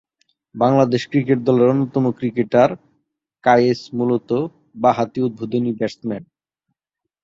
Bangladesh cricket দলের অন্যতম cricketer Kayes মূলতঃ বাঁহাতি উদ্বোধনী ব্যাটসম্যান।